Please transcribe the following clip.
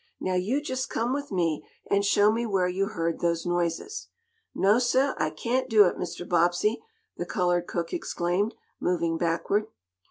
Now you just come with me, and show me where you heard those noises." "No, sah, I cain't do it, Mr. Bobbsey," the colored cook exclaimed, moving backward.